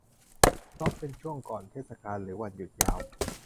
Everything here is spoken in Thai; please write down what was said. เพราะเป็นช่วงก่อนเทศกาลหรือวันหยุดยาว